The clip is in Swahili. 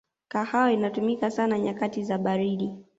kahawa inatumika sana nyakati za baridi